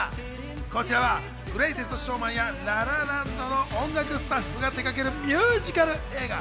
こちらは『グレイテスト・ショーマン』や『ラ・ラ・ランド』の音楽スタッフが手がけるミュージカル映画。